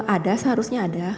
ada seharusnya ada